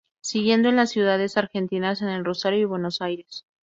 Siguiendo en las ciudades argentinas de el Rosario y Buenos Aires.